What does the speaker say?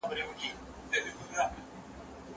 هغه وویل چې دا ځای د فلم لپاره ښه دی.